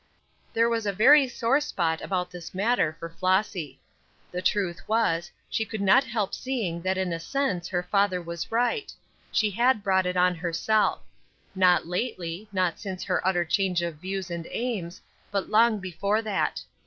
There was a very sore spot about this matter for Flossy. The truth was, she could not help seeing that in a sense her father was right; she had brought it on herself; not lately, not since her utter change of views and aims, but long before that.